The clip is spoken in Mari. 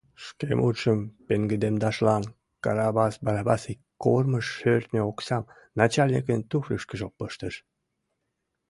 Шке мутшым пеҥгыдемдашлан Карабас Барабас ик кормыж шӧртньӧ оксам начальникын туфльышкыжо пыштыш.